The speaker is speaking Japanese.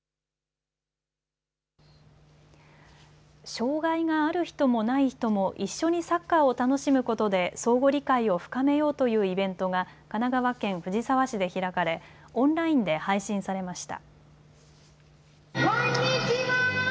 障害がある人もない人も一緒にサッカーを楽しむことで相互理解を深めようというイベントが神奈川県藤沢市で開かれオンラインで配信されました。